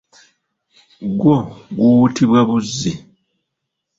Gwo guwuutibwa buzzi.